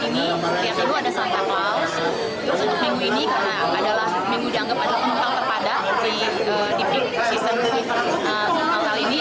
untuk minggu ini karena adalah minggu dianggap adalah penumpang terpadat di sistem penumpang ini